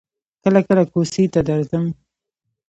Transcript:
کله کله کوڅې ته درځم.